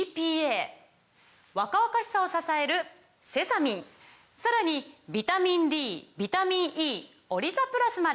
若々しさを支えるセサミンさらにビタミンＤビタミンＥオリザプラスまで！